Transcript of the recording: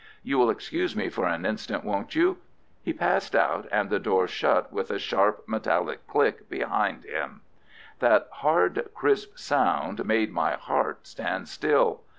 "You will excuse me for an instant, won't you?" He passed out, and the door shut with a sharp metallic click behind him. That hard crisp sound made my heart stand still.